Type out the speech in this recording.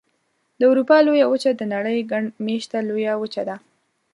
د اروپا لویه وچه د نړۍ ګڼ مېشته لویه وچه ده.